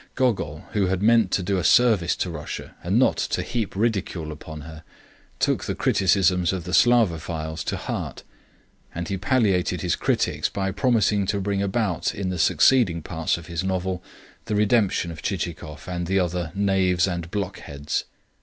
Gogol, who had meant to do a service to Russia and not to heap ridicule upon her, took the criticisms of the Slavophiles to heart; and he palliated his critics by promising to bring about in the succeeding parts of his novel the redemption of Chichikov and the other "knaves and blockheads."